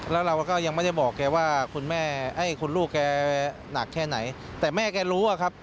แล้วเราก็ยังไม่ได้บอกแกว่าคุณแม่ไอ้คุณลูกแกหนักแค่ไหนแต่แม่แกรู้อะครับ